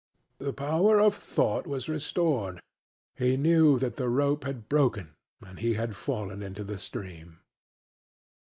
The power of thought was restored; he knew that the rope had broken and he had fallen into the stream.